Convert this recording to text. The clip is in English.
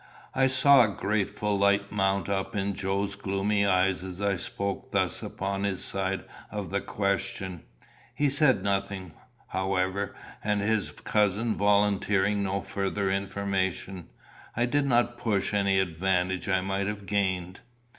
I saw a grateful light mount up in Joe's gloomy eyes as I spoke thus upon his side of the question. He said nothing, however; and his cousin volunteering no further information, I did not push any advantage I might have gained.